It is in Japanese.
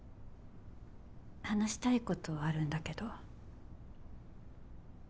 話したいことあるんだけど。